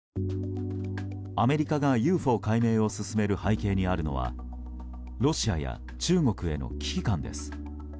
アメリカがＵＦＯ解明を進める背景にあるのはロシアや中国への危機感です。